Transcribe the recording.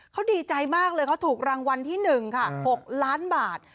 เขาดีใจมากเลยเขาถูกรางวัลที่๑ค่ะ๖ล้านบาท